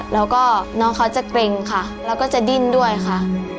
แล้วก็น้องเขาจะเกร็งค่ะแล้วก็จะดิ้นด้วยค่ะ